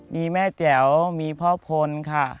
มีแม่แจ๋วมีพ่อพลค่ะ